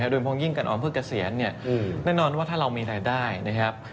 โดยเพราะยิ่งการออมเพื่อเกษียณเนี่ยแน่นอนว่าถ้าเรามีรายได้นะครับ